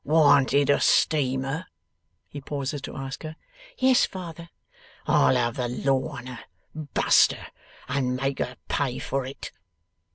'Warn't it a steamer?' he pauses to ask her. 'Yes, father.' 'I'll have the law on her, bust her! and make her pay for it.